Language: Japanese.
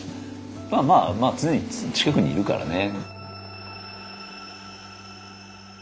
まあまあ常に近くにいるからね。